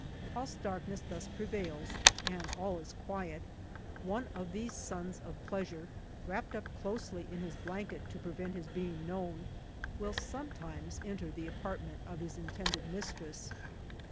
* Whilst darkness thus prevails, and all is quiet, cne of these sons of pleasure, wrapped up closely in his blanket, to prevent his being known, will sometimes enter the apart ment of his intended mistress.